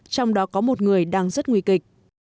trong đó có một người đang rất nguy kịch